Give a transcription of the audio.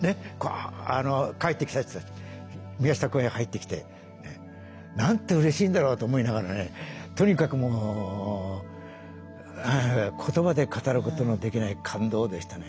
帰ってきた人たち宮下公園入ってきてなんてうれしいんだろうと思いながらねとにかくもう言葉で語ることのできない感動でしたね。